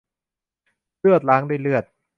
เลือดล้างด้วยเลือด